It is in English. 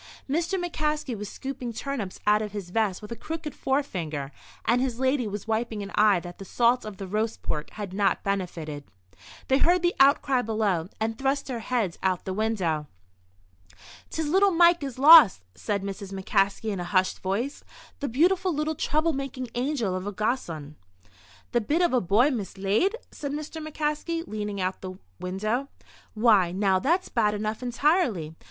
Mr. McCaskey was scooping turnips out of his vest with a crooked forefinger, and his lady was wiping an eye that the salt of the roast pork had not benefited. They heard the outcry below, and thrust their heads out of the window. "'Tis little Mike is lost," said Mrs. McCaskey, in a hushed voice, "the beautiful, little, trouble making angel of a gossoon!" "The bit of a boy mislaid?" said Mr. McCaskey, leaning out of the window. "Why, now, that's bad enough, entirely.